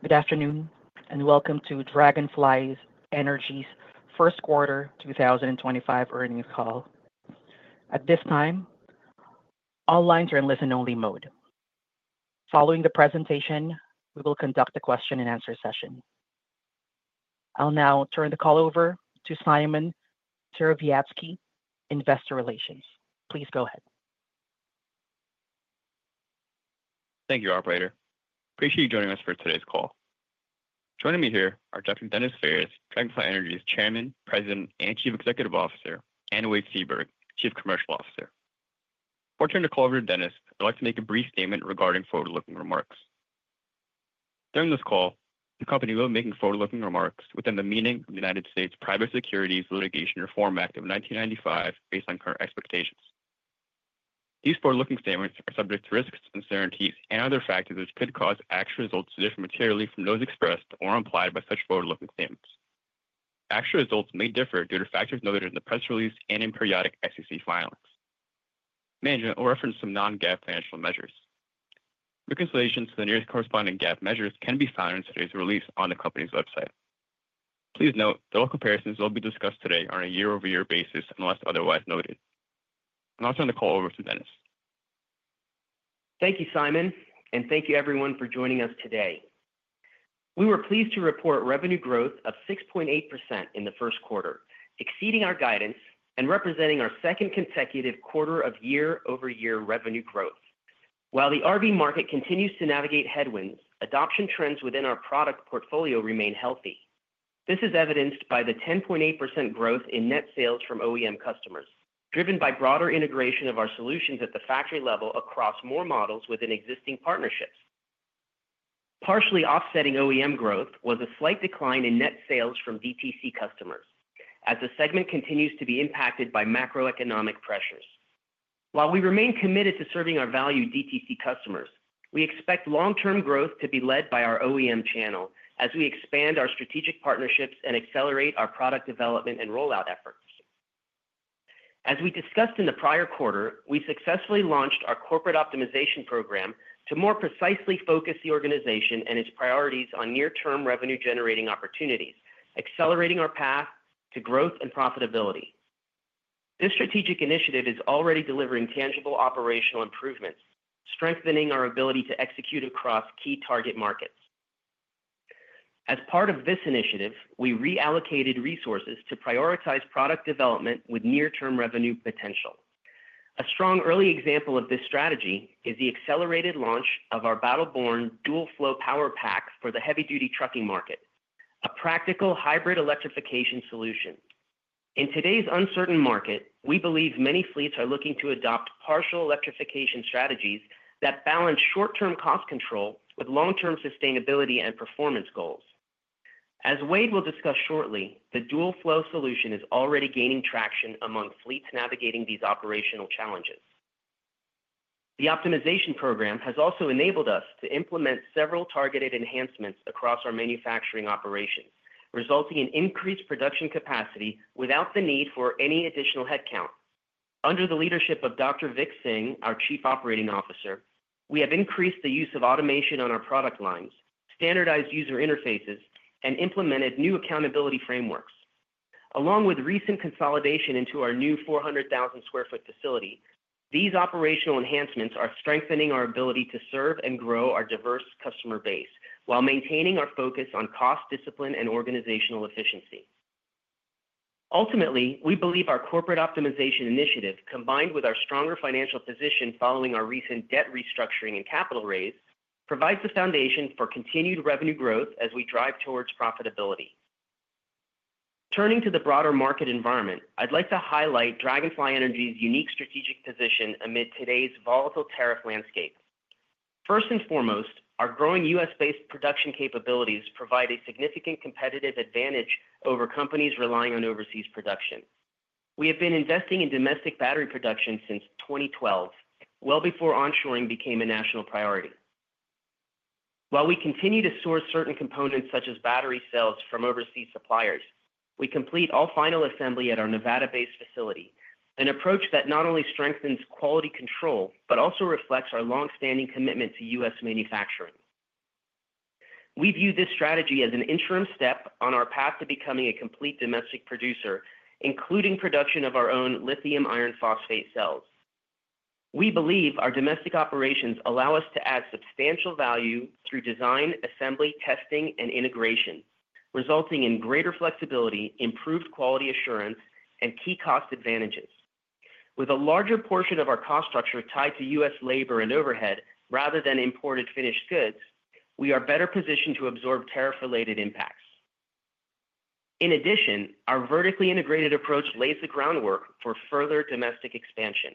Good afternoon and welcome to Dragonfly Energy's first quarter 2025 earnings call. At this time, all lines are in listen-only mode. Following the presentation, we will conduct a question-and-answer session. I'll now turn the call over to Simon Serowiecki, Investor Relations. Please go ahead. Thank you, Operator. Appreciate you joining us for today's call. Joining me here are Dr. Dennis Ferris, Dragonfly Energy's Chairman, President, and Chief Executive Officer, and Wade Seaburg, Chief Commercial Officer. Before I turn the call over to Dennis, I'd like to make a brief statement regarding forward-looking remarks. During this call, the company will be making forward-looking remarks within the meaning of the U.S. Private Securities Litigation Reform Act of 1995, based on current expectations. These forward-looking statements are subject to risks, uncertainties, and other factors which could cause actual results to differ materially from those expressed or implied by such forward-looking statements. Actual results may differ due to factors noted in the press release and in periodic SEC filings. Management will reference some non-GAAP financial measures. Reconciliations to the nearest corresponding GAAP measures can be found in today's release on the company's website. Please note that all comparisons will be discussed today on a year-over-year basis unless otherwise noted. I'll now turn the call over to Dennis. Thank you, Simon, and thank you, everyone, for joining us today. We were pleased to report revenue growth of 6.8% in the first quarter, exceeding our guidance and representing our second consecutive quarter of year-over-year revenue growth. While the RV market continues to navigate headwinds, adoption trends within our product portfolio remain healthy. This is evidenced by the 10.8% growth in net sales from OEM customers, driven by broader integration of our solutions at the factory level across more models within existing partnerships. Partially offsetting OEM growth was a slight decline in net sales from DTC customers, as the segment continues to be impacted by macroeconomic pressures. While we remain committed to serving our valued DTC customers, we expect long-term growth to be led by our OEM channel as we expand our strategic partnerships and accelerate our product development and rollout efforts. As we discussed in the prior quarter, we successfully launched our corporate optimization program to more precisely focus the organization and its priorities on near-term revenue-generating opportunities, accelerating our path to growth and profitability. This strategic initiative is already delivering tangible operational improvements, strengthening our ability to execute across key target markets. As part of this initiative, we reallocated resources to prioritize product development with near-term revenue potential. A strong early example of this strategy is the accelerated launch of our Battle Born Dual-Flow Power Pack for the heavy-duty trucking market, a practical hybrid electrification solution. In today's uncertain market, we believe many fleets are looking to adopt partial electrification strategies that balance short-term cost control with long-term sustainability and performance goals. As Wade will discuss shortly, the Dual-Flow solution is already gaining traction among fleets navigating these operational challenges. The optimization program has also enabled us to implement several targeted enhancements across our manufacturing operations, resulting in increased production capacity without the need for any additional headcount. Under the leadership of Dr. Vic Singh, our Chief Operating Officer, we have increased the use of automation on our product lines, standardized user interfaces, and implemented new accountability frameworks. Along with recent consolidation into our new 400,000 sq ft facility, these operational enhancements are strengthening our ability to serve and grow our diverse customer base while maintaining our focus on cost discipline and organizational efficiency. Ultimately, we believe our corporate optimization initiative, combined with our stronger financial position following our recent debt restructuring and capital raise, provides the foundation for continued revenue growth as we drive towards profitability. Turning to the broader market environment, I'd like to highlight Dragonfly Energy's unique strategic position amid today's volatile tariff landscape. First and foremost, our growing U.S.-based production capabilities provide a significant competitive advantage over companies relying on overseas production. We have been investing in domestic battery production since 2012, well before onshoring became a national priority. While we continue to source certain components, such as battery cells, from overseas suppliers, we complete all final assembly at our Nevada-based facility, an approach that not only strengthens quality control but also reflects our longstanding commitment to U.S. manufacturing. We view this strategy as an interim step on our path to becoming a complete domestic producer, including production of our own lithium iron phosphate cells. We believe our domestic operations allow us to add substantial value through design, assembly, testing, and integration, resulting in greater flexibility, improved quality assurance, and key cost advantages. With a larger portion of our cost structure tied to U.S. Labor and overhead rather than imported finished goods, we are better positioned to absorb tariff-related impacts. In addition, our vertically integrated approach lays the groundwork for further domestic expansion.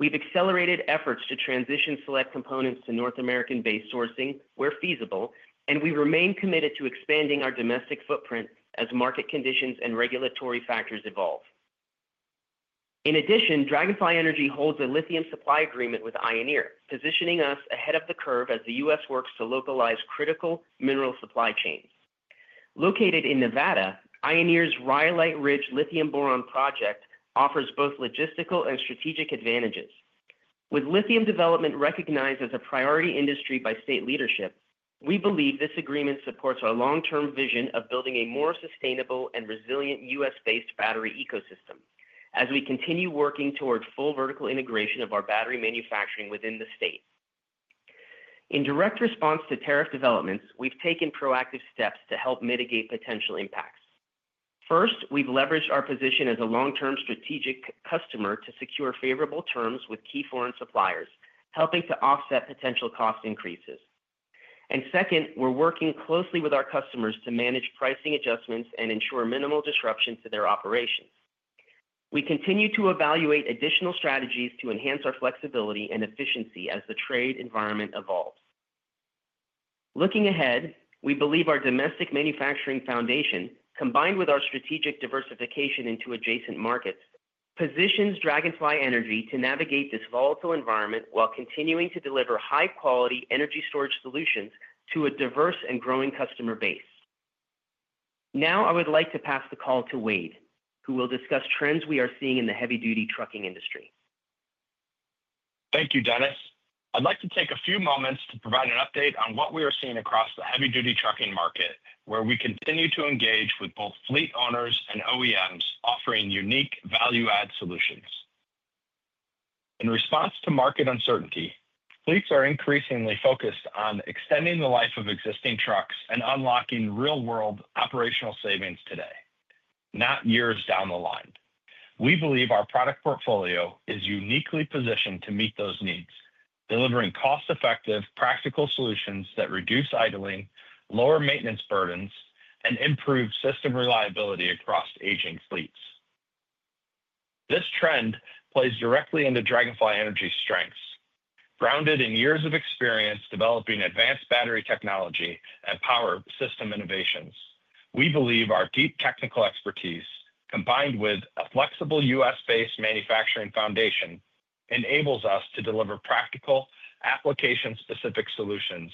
We've accelerated efforts to transition select components to North American-based sourcing where feasible, and we remain committed to expanding our domestic footprint as market conditions and regulatory factors evolve. In addition, Dragonfly Energy holds a lithium supply agreement with Ioneer, positioning us ahead of the curve as the U.S. works to localize critical mineral supply chains. Located in Nevada, Ioneer's Rhyolite Ridge Lithium Boron Project offers both logistical and strategic advantages. With lithium development recognized as a priority industry by state leadership, we believe this agreement supports our long-term vision of building a more sustainable and resilient U.S.-based battery ecosystem as we continue working toward full vertical integration of our battery manufacturing within the state.In direct response to tariff developments, we've taken proactive steps to help mitigate potential impacts. First, we've leveraged our position as a long-term strategic customer to secure favorable terms with key foreign suppliers, helping to offset potential cost increases. Second, we're working closely with our customers to manage pricing adjustments and ensure minimal disruption to their operations. We continue to evaluate additional strategies to enhance our flexibility and efficiency as the trade environment evolves. Looking ahead, we believe our domestic manufacturing foundation, combined with our strategic diversification into adjacent markets, positions Dragonfly Energy to navigate this volatile environment while continuing to deliver high-quality energy storage solutions to a diverse and growing customer base. Now, I would like to pass the call to Wade, who will discuss trends we are seeing in the heavy-duty trucking industry. Thank you, Dennis. I'd like to take a few moments to provide an update on what we are seeing across the heavy-duty trucking market, where we continue to engage with both fleet owners and OEMs offering unique value-add solutions. In response to market uncertainty, fleets are increasingly focused on extending the life of existing trucks and unlocking real-world operational savings today, not years down the line. We believe our product portfolio is uniquely positioned to meet those needs, delivering cost-effective, practical solutions that reduce idling, lower maintenance burdens, and improve system reliability across aging fleets. This trend plays directly into Dragonfly Energy's strengths. Grounded in years of experience developing advanced battery technology and power system innovations, we believe our deep technical expertise, combined with a flexible U.S.-based manufacturing foundation, enables us to deliver practical, application-specific solutions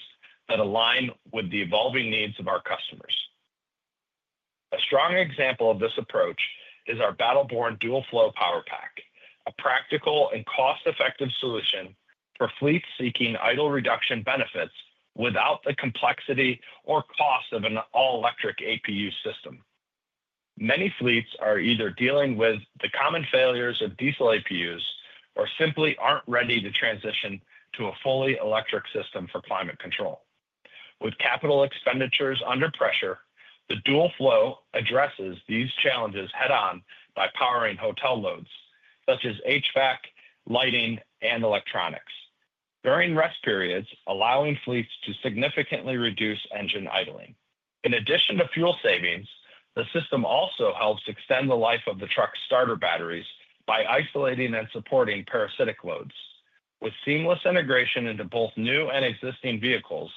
that align with the evolving needs of our customers.A strong example of this approach is our Battle Born Dual-Flow Power Pack, a practical and cost-effective solution for fleets seeking idle reduction benefits without the complexity or cost of an all-electric APU system. Many fleets are either dealing with the common failures of diesel APUs or simply aren't ready to transition to a fully electric system for climate control. With capital expenditures under pressure, the Dual-Flow addresses these challenges head-on by powering hotel loads such as HVAC, lighting, and electronics, during rest periods, allowing fleets to significantly reduce engine idling. In addition to fuel savings, the system also helps extend the life of the truck's starter batteries by isolating and supporting parasitic loads. With seamless integration into both new and existing vehicles,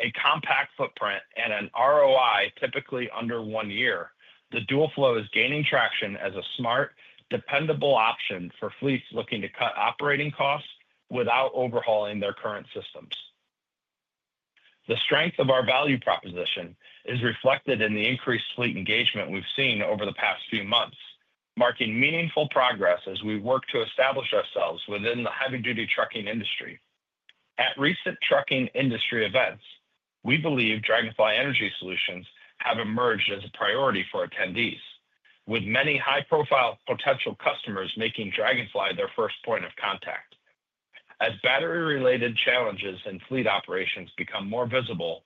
a compact footprint, and an ROI typically under one year, the Dual-Flow is gaining traction as a smart, dependable option for fleets looking to cut operating costs without overhauling their current systems. The strength of our value proposition is reflected in the increased fleet engagement we've seen over the past few months, marking meaningful progress as we work to establish ourselves within the heavy-duty trucking industry. At recent trucking industry events, we believe Dragonfly Energy solutions have emerged as a priority for attendees, with many high-profile potential customers making Dragonfly their first point of contact. As battery-related challenges in fleet operations become more visible,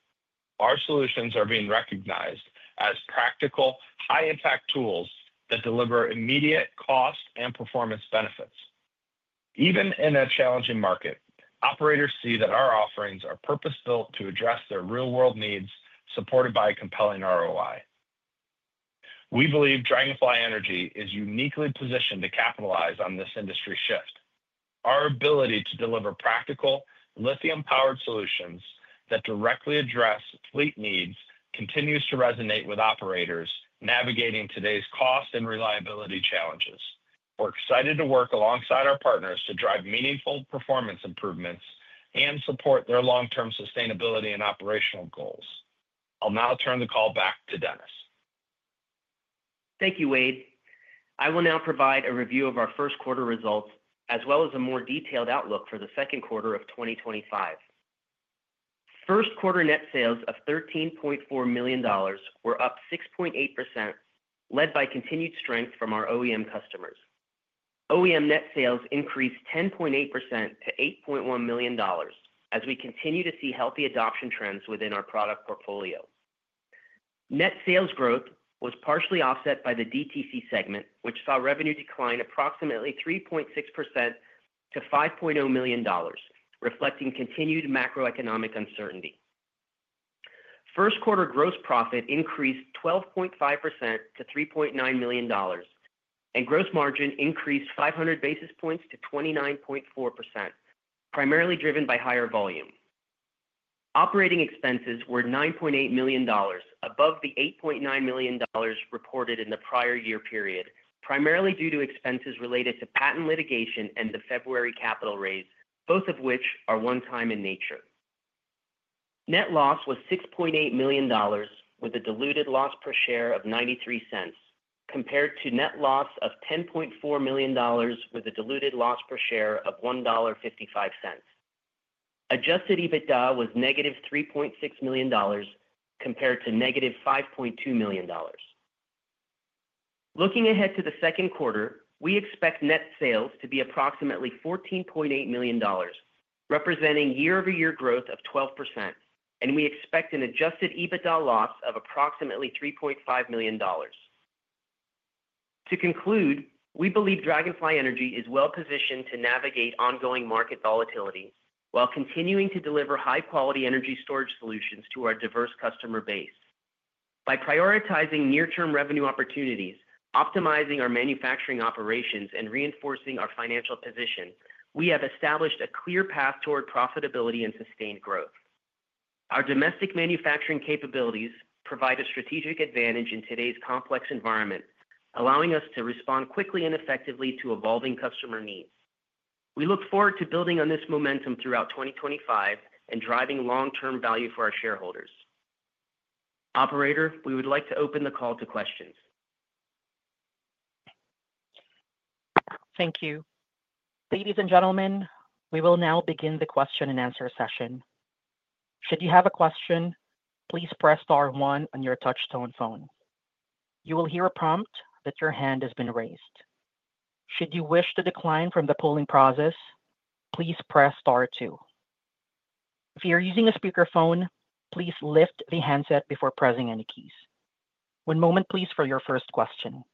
our solutions are being recognized as practical, high-impact tools that deliver immediate cost and performance benefits. Even in a challenging market, operators see that our offerings are purpose-built to address their real-world needs, supported by a compelling ROI. We believe Dragonfly Energy is uniquely positioned to capitalize on this industry shift. Our ability to deliver practical, lithium-powered solutions that directly address fleet needs continues to resonate with operators navigating today's cost and reliability challenges. We're excited to work alongside our partners to drive meaningful performance improvements and support their long-term sustainability and operational goals. I'll now turn the call back to Dennis. Thank you, Wade. I will now provide a review of our first quarter results as well as a more detailed outlook for the second quarter of 2025. First quarter net sales of $13.4 million were up 6.8%, led by continued strength from our OEM customers. OEM net sales increased 10.8% to $8.1 million as we continue to see healthy adoption trends within our product portfolio. Net sales growth was partially offset by the DTC segment, which saw revenue decline approximately 3.6% to $5.0 million, reflecting continued macroeconomic uncertainty. First quarter gross profit increased 12.5% to $3.9 million, and gross margin increased 500 basis points to 29.4%, primarily driven by higher volume. Operating expenses were $9.8 million, above the $8.9 million reported in the prior year period, primarily due to expenses related to patent litigation and the February capital raise, both of which are one-time in nature. Net loss was $6.8 million, with a diluted loss per share of $0.93, compared to net loss of $10.4 million with a diluted loss per share of $1.55. Adjusted EBITDA was negative $3.6 million, compared to negative $5.2 million. Looking ahead to the second quarter, we expect net sales to be approximately $14.8 million, representing year-over-year growth of 12%, and we expect an adjusted EBITDA loss of approximately $3.5 million. To conclude, we believe Dragonfly Energy is well-positioned to navigate ongoing market volatility while continuing to deliver high-quality energy storage solutions to our diverse customer base. By prioritizing near-term revenue opportunities, optimizing our manufacturing operations, and reinforcing our financial position, we have established a clear path toward profitability and sustained growth. Our domestic manufacturing capabilities provide a strategic advantage in today's complex environment, allowing us to respond quickly and effectively to evolving customer needs. We look forward to building on this momentum throughout 2025 and driving long-term value for our shareholders. Operator, we would like to open the call to questions. Thank you. Ladies and gentlemen, we will now begin the question-and-answer session. Should you have a question, please press Star one on your touch-tone phone. You will hear a prompt that your hand has been raised. Should you wish to decline from the polling process, please press Star two. If you're using a speakerphone, please lift the handset before pressing any keys. One moment, please, for your first question.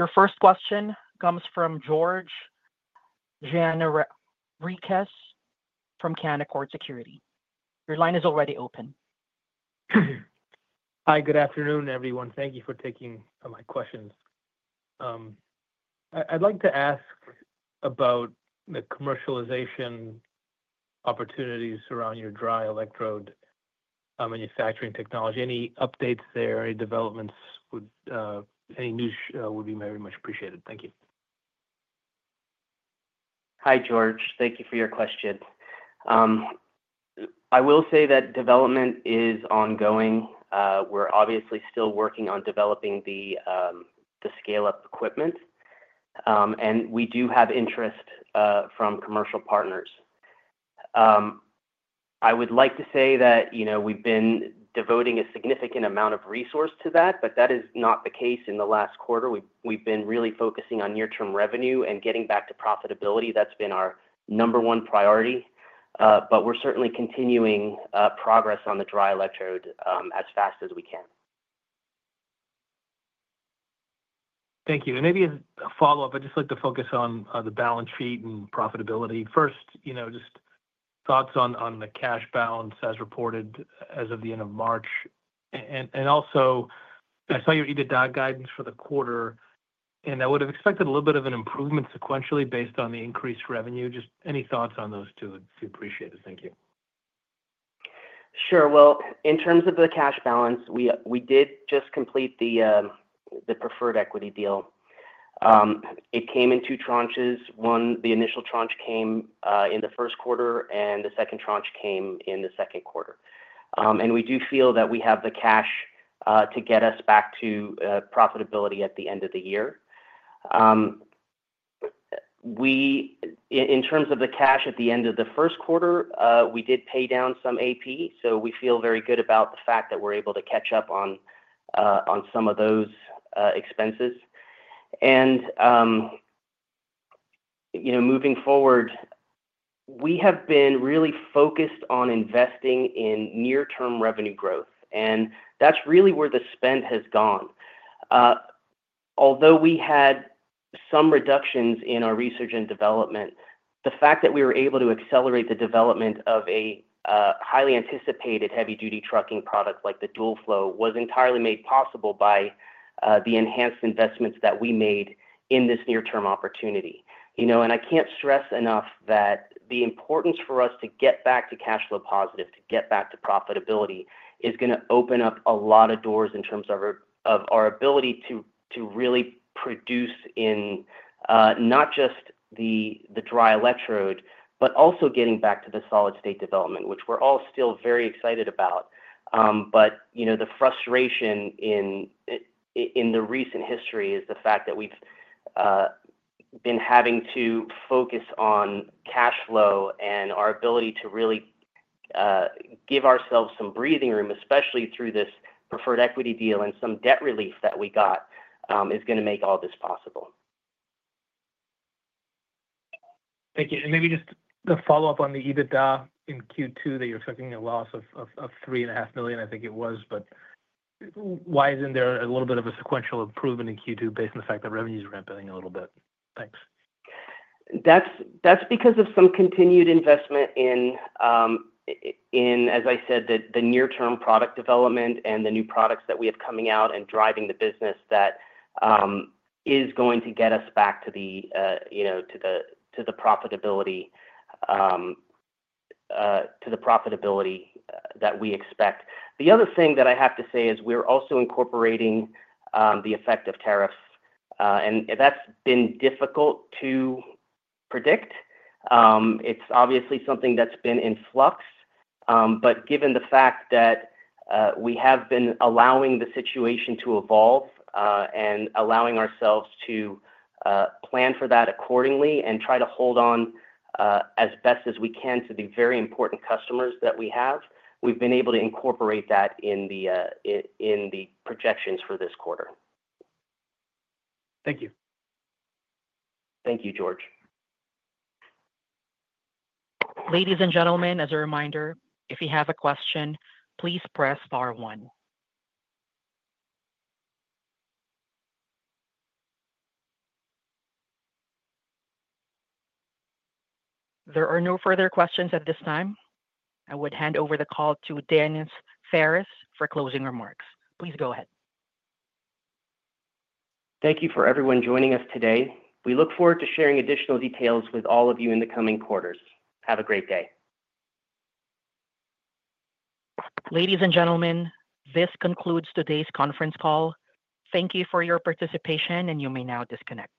Your first question comes from George Gianarikas from Canaccord Genuity. Your line is already open. Hi, good afternoon, everyone. Thank you for taking my questions. I'd like to ask about the commercialization opportunities around your Dry electrode manufacturing technology. Any updates there, any developments, any news would be very much appreciated. Thank you. Hi, George. Thank you for your question. I will say that development is ongoing. We're obviously still working on developing the scale-up equipment, and we do have interest from commercial partners. I would like to say that we've been devoting a significant amount of resource to that, but that is not the case in the last quarter. We've been really focusing on near-term revenue and getting back to profitability. That's been our number one priority, but we're certainly continuing progress on the Dry electrode as fast as we can. Thank you. Maybe as a follow-up, I'd just like to focus on the balance sheet and profitability. First, just thoughts on the cash balance as reported as of the end of March. Also, I saw your EBITDA guidance for the quarter, and I would have expected a little bit of an improvement sequentially based on the increased revenue. Just any thoughts on those two? I'd appreciate it. Thank you. Sure. In terms of the cash balance, we did just complete the preferred equity deal. It came in two tranches. One, the initial tranche came in the first quarter, and the second tranche came in the second quarter. We do feel that we have the cash to get us back to profitability at the end of the year. In terms of the cash at the end of the first quarter, we did pay down some AP, so we feel very good about the fact that we're able to catch up on some of those expenses. Moving forward, we have been really focused on investing in near-term revenue growth, and that's really where the spend has gone. Although we had some reductions in our research and development, the fact that we were able to accelerate the development of a highly anticipated heavy-duty trucking product like the Dual-Flow was entirely made possible by the enhanced investments that we made in this near-term opportunity. I can't stress enough that the importance for us to get back to cash flow positive, to get back to profitability, is going to open up a lot of doors in terms of our ability to really produce in not just the Dry electrode, but also getting back to the solid-state development, which we're all still very excited about. The frustration in the recent history is the fact that we've been having to focus on cash flow and our ability to really give ourselves some breathing room, especially through this preferred equity deal and some debt relief that we got, is going to make all this possible. Thank you. Maybe just a follow-up on the EBITDA in Q2 that you are expecting a loss of $3.5 million, I think it was, but why is not there a little bit of a sequential improvement in Q2 based on the fact that revenues are amping a little bit? Thanks. That's because of some continued investment in, as I said, the near-term product development and the new products that we have coming out and driving the business that is going to get us back to the profitability that we expect. The other thing that I have to say is we're also incorporating the effect of tariffs, and that's been difficult to predict. It's obviously something that's been in flux, but given the fact that we have been allowing the situation to evolve and allowing ourselves to plan for that accordingly and try to hold on as best as we can to the very important customers that we have, we've been able to incorporate that in the projections for this quarter. Thank you. Thank you, George. Ladies and gentlemen, as a reminder, if you have a question, please press Star 1. There are no further questions at this time. I would hand over the call to Dennis Ferris for closing remarks. Please go ahead. Thank you for everyone joining us today. We look forward to sharing additional details with all of you in the coming quarters. Have a great day. Ladies and gentlemen, this concludes today's conference call. Thank you for your participation, and you may now disconnect.